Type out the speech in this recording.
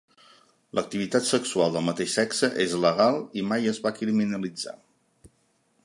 L'activitat sexual del mateix sexe és legal i mai es va criminalitzar.